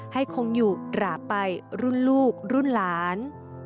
ให้คงอยู่ราบไปรุ่นลูกรุ่นหลาน